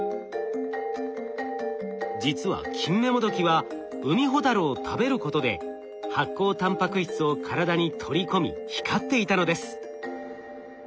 実はキンメモドキはウミホタルを食べることで発光タンパク質を体に取り込み光っていたのです。